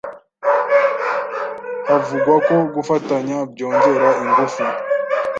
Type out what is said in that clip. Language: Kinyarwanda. havugwa ko gufatanya byongera ingufu.